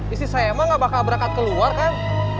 isis saya emang gak bakal berangkat keluar kan